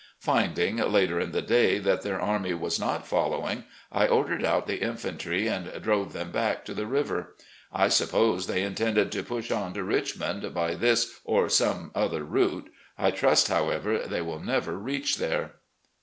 Finding, later in the day, that their army was not following, I ordered out the infantry and drove them back to the river. I suppose they intended to push on to Richmond by this or some other route. I trust, how ever, they will never reach there.